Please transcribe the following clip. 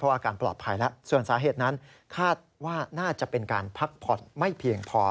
อาการปลอดภัยแล้วส่วนสาเหตุนั้นคาดว่าน่าจะเป็นการพักผ่อนไม่เพียงพอ